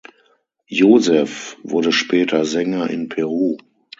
Joseph wurde später Sänger in Peru.